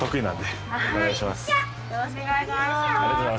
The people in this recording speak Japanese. よろしくお願いします。